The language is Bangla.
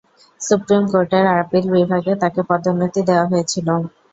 সুপ্রিম কোর্টের আপিল বিভাগে তাকে পদোন্নতি দেওয়া হয়েছিল।